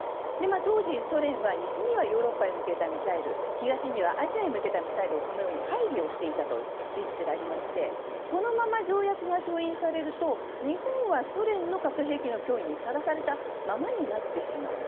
当時、ソ連は西にはヨーロッパに向けたミサイル東にはアジアへ向けたミサイルを配備をしていた事実がありましてこのまま条約が調印されると日本はソ連の核兵器の脅威にさらされたままになってしまう。